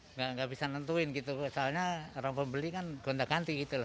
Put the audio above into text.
nggak bisa nentuin gitu soalnya orang pembeli kan gonda ganti gitu loh